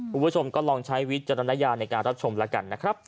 คุณผู้ชมก็ลองใช้วิจารณญาณในการรับชมแล้วกันนะครับ